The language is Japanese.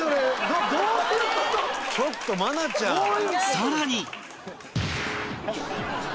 さらに